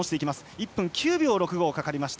１分９秒６５かかりました。